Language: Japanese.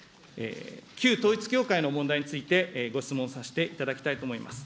旧統一教会の問題について、ご質問させていただきたいと思います。